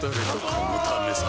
このためさ